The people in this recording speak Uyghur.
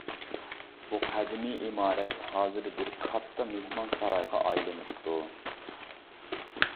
بۇ قەدىمىي ئىمارەت ھازىر بىر كاتتا مېھمانسارايغا ئايلىنىپتۇ.